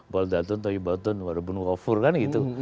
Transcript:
bol daltun toyo botun wadubun wofur kan gitu